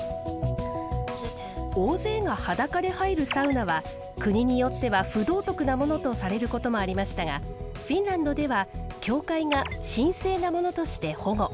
大勢が裸で入るサウナは国によっては不道徳なものとされることもありましたがフィンランドでは教会が神聖なものとして保護。